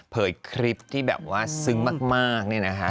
คลิปที่แบบว่าซึ้งมากเนี่ยนะคะ